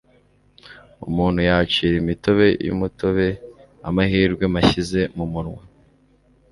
umuntu yacira imitobe yumutobe amahirwe mashyize mumunwa